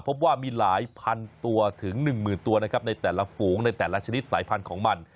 พบว่ามีหลายพันตัวถึง๑๐๐๐ตัวนะครับในแต่ละฝูงในแต่ละชนิดสายพันธุ์ของมัน